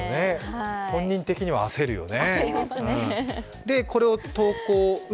本人的には焦るよね。